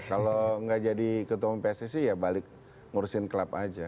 kalau nggak jadi ketua umum pssi ya balik ngurusin klub aja